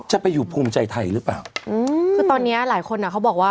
จะไปอยู่ภูมิใจไทยหรือเปล่าอืมคือตอนเนี้ยหลายคนอ่ะเขาบอกว่า